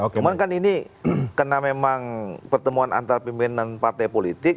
cuman kan ini karena memang pertemuan antar pimpinan partai politik